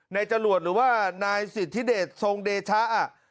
จรวดหรือว่านายสิทธิเดชทรงเดชะ